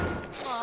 あ。